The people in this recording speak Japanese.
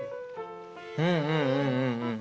うんうんうん